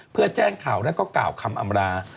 เพื่อแจ้งข่าวแล้วก็กล่าวคำอำรา